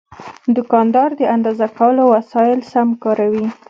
دوکاندار د اندازه کولو وسایل سم کاروي.